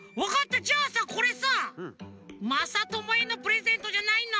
じゃあさこれさまさともへのプレゼントじゃないの？